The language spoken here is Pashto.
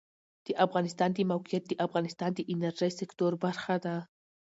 د افغانستان د موقعیت د افغانستان د انرژۍ سکتور برخه ده.